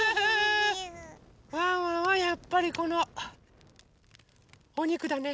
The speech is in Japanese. ワンワンはやっぱりこのおにくだね。